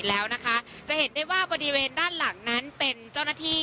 แล้วนะคะจะเห็นได้ว่าบริเวณด้านหลังนั้นเป็นเจ้าหน้าที่